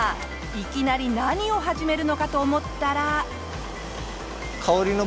いきなり何を始めるのかと思ったら。